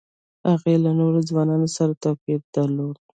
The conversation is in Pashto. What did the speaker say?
هغې له نورو ځوانانو سره توپیر درلود